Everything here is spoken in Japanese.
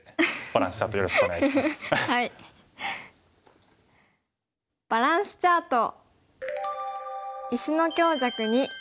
バランスチャート。